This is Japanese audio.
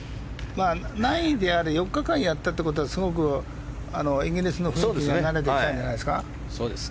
何位であれ４日間やったということはすごくイギリスの雰囲気に慣れてきたんじゃないんですか。